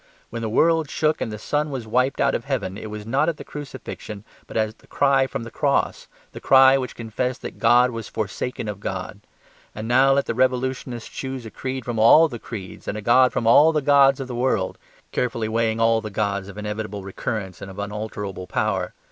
When the world shook and the sun was wiped out of heaven, it was not at the crucifixion, but at the cry from the cross: the cry which confessed that God was forsaken of God. And now let the revolutionists choose a creed from all the creeds and a god from all the gods of the world, carefully weighing all the gods of inevitable recurrence and of unalterable power.